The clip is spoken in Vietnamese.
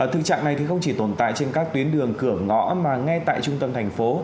thực trạng này không chỉ tồn tại trên các tuyến đường cửa ngõ mà ngay tại trung tâm thành phố